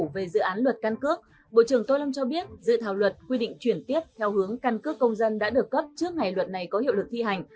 về dự án luật căn cước bộ trưởng tô lâm cho biết dự thảo luật quy định chuyển tiếp theo hướng căn cước công dân đã được cấp trước ngày luật này có hiệu lực thi hành